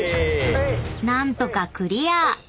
［何とかクリア］